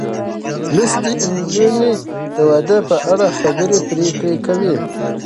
لوستې نجونې د واده په اړه خبرې پرېکړې کوي.